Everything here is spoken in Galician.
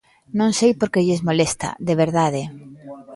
Non sei por que lles molesta, de verdade.